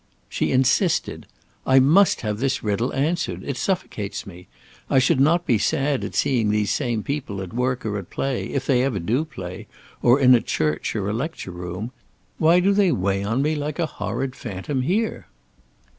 She insisted: "I must have this riddle answered. It suffocates me. I should not be sad at seeing these same people at work or at play, if they ever do play; or in a church or a lecture room. Why do they weigh on me like a horrid phantom here?"